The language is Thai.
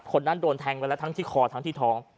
คนนั้นโดนแทงไปแล้วทั้งที่คอทั้งที่ท้อง